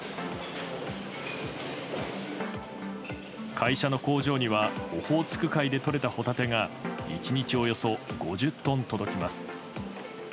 会社の工場にはオホーツク海でとれたホタテが１日およそ５０トン届きます。